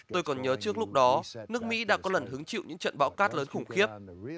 tôi còn nhớ trước lúc đó nước mỹ đã có lần hứng chịu những trận bão cát lớn khủng khiếp